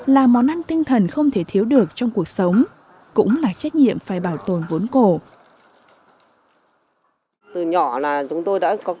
là món ăn tinh thần không thể thiếu được trong cuộc sống cũng là trách nhiệm phải bảo tồn vốn cổ